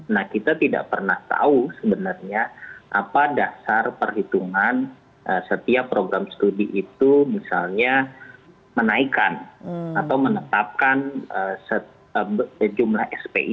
nah kita tidak pernah tahu sebenarnya apa dasar perhitungan setiap program studi itu misalnya menaikkan atau menetapkan sejumlah spi